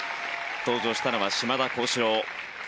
登場したのは島田高志郎。